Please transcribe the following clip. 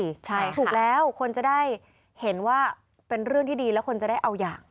ใช่ถูกแล้วคนจะได้เห็นว่าเป็นเรื่องที่ดีแล้วคนจะได้เอาอย่าง